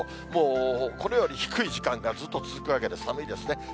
もう、これより低い時間がずっと続くわけですから、寒いですね。